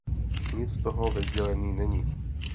Nic z toho ve sdělení není.